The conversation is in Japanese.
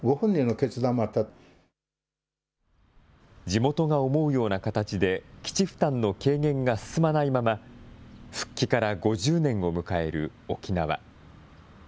地元が思うような形で、基地負担の軽減が進まないまま、復帰から５０年を迎える沖縄。